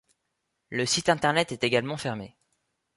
Le site Internet est également fermé.